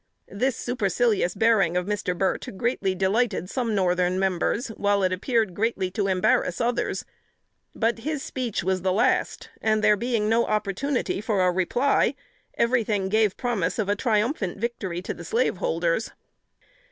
This supercilious bearing of Mr. Burt greatly delighted some Northern members, while it appeared greatly to embarrass others; but his speech was the last, and, there being no opportunity for reply, every thing gave promise of a triumphant victory to the slaveholders.